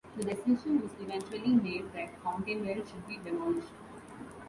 The decision was eventually made that Fountainwell should be demolished.